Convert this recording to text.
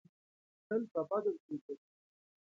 تل په بدو پسې ګرځي.